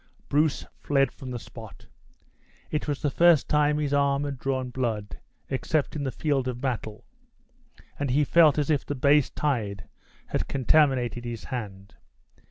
Bruce fled from the spot. It was the first time his arm had drawn blood except in the field of battle, and he felt as if the base tide had contaminated his hand.